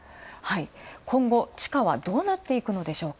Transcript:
今後、地価はどうなっていくのでしょうか。